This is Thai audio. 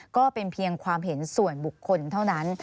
ก็เป็นเพียงความเห็นส่วนบุคคลเท่านั้น